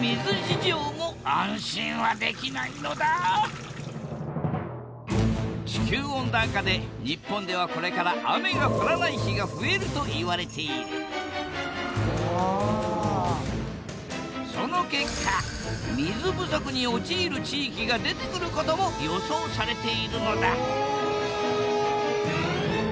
実は地球温暖化で日本ではこれから雨が降らない日が増えるといわれているその結果水不足に陥る地域が出てくることも予想されているのだ！